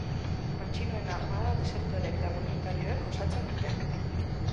Matxinoen armada desertoreek eta boluntarioek osatzen dute.